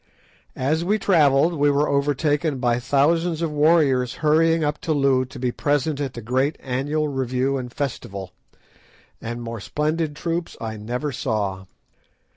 As we travelled we were overtaken by thousands of warriors hurrying up to Loo to be present at the great annual review and festival, and more splendid troops I never saw.